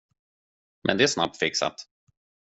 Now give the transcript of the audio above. Men det är snabbt fixat.